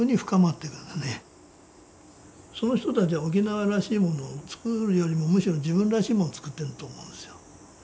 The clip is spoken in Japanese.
その人たちは沖縄らしいものを作るよりもむしろ自分らしいものを作ってると思うんですよ。